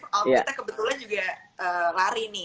alhamdulillah kebetulan juga lari nih